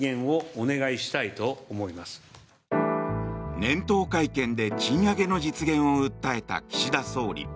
年頭会見で賃上げの実現を訴えた岸田総理。